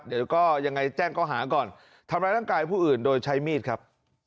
เดี๋ยวก็ยังไงแจ้งเขาหาก่อนทำร้ายร่างกายผู้อื่นโดยใช้มีดครับ